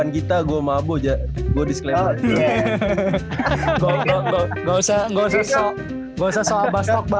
kita gua mabok aja gue disclaimer